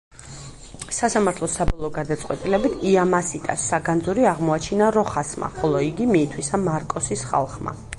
სასამართლოს საბოლოო გადაწყვეტილებით „იამასიტას საგანძური აღმოაჩინა როხასმა, ხოლო იგი მიითვისა მარკოსის ხალხმა“.